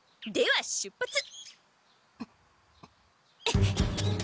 では出発！